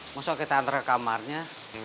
maksudnya kita antar ke kamarnya